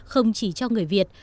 không chỉ cho người việt